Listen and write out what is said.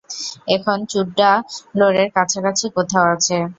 এখন চুড্ডালোরের কাছাকাছি কোথাও আছে।